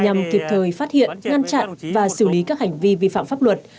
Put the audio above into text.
nhằm kịp thời phát hiện ngăn chặn và xử lý các hành vi vi phạm pháp luật